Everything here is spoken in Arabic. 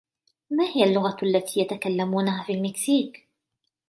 ما هي اللغة التي يتكلمونها في المكسيك؟